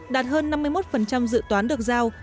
đạt hơn năm mươi một dự toán được giao